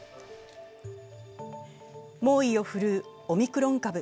猛威を振るうオミクロン株。